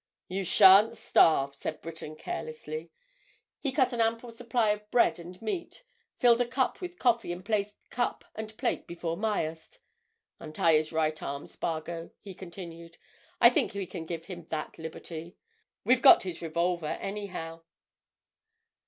"You shan't starve," said Breton, carelessly. He cut an ample supply of bread and meat, filled a cup with coffee and placed cup and plate before Myerst. "Untie his right arm, Spargo," he continued. "I think we can give him that liberty. We've got his revolver, anyhow."